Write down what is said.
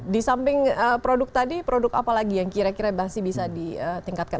di samping produk tadi produk apa lagi yang kira kira masih bisa ditingkatkan